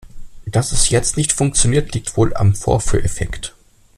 Dass es jetzt nicht funktioniert, liegt wohl am Vorführeffekt.